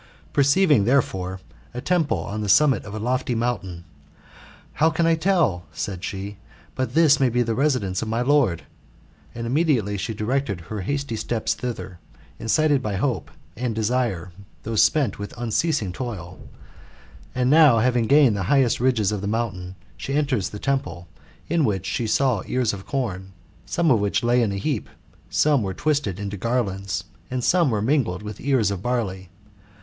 Perceiving, therefore, a temple on the summit of a lofty mountain, " How can I tell," said she, '' but this may be the residence of my lord ;" and immediately she directed her hasty steps thither, incited by hope and desire, though spent with unceasing toil And now, having gained the highest ridges of the mountain, she enters the temple, in which she saw ears of corn, some of which lay in a heap, some were twisted, into garlands, and some were mingled with ears of barley.